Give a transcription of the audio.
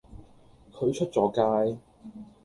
佢出咗街